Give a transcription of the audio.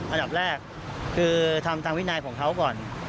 อันดับแรกคือทำทางวินัยของเขาก่อน